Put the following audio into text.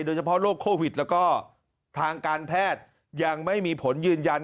โดยเฉพาะโรคโควิดแล้วก็ทางการแพทย์ยังไม่มีผลยืนยัน